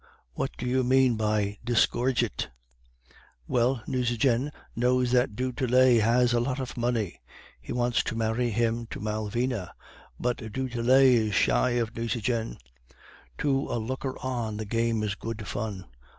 What do you mean by "disgorge it"'? "'Well, Nucingen knows that du Tillet has a lot of money; he wants to marry him to Malvina; but du Tillet is shy of Nucingen. To a looker on, the game is good fun.